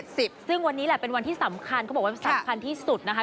ซึ่งวันนี้แหละเป็นวันที่สำคัญเขาบอกว่าสำคัญที่สุดนะคะ